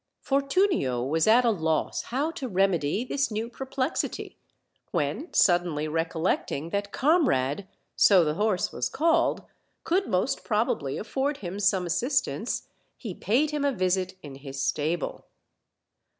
Fortunio was at a loss how to remedy this new per plexity; when suddenly recollecting that Comrade (so the horse was called) could most probably afford him some assistance, he paid him a visit in his stable.